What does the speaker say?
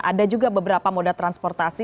ada juga beberapa moda transportasi